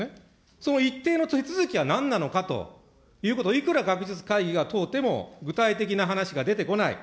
その一定の手続きはなんなのかということをいくら学術会議が問うても、具体的な話が出てこない。